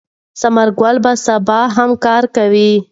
ثمر ګل به سبا هم کار کوي.